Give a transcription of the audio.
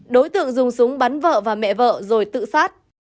đối tượng dùng súng bắn vợ và mẹ vợ rồi tự sát